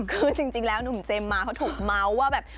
คือจริงแล้วหนุ่มเจมส์มาเขาถูกเมาส์ว่าแบบ